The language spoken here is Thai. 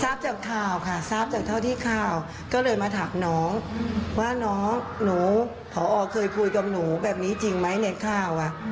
ทราบจากข่าวค่ะทราบจากเท่าที่ข่าวก็เลยมาถามน้องว่าน้องหนูผอเคยคุยกับหนูแบบนี้จริงไหมในข่าว